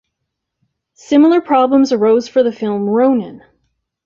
Similar problems arose for the film "Ronin".